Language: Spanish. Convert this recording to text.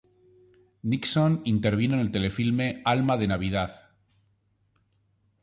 Nixon intervino en el telefilme "Alma de Navidad".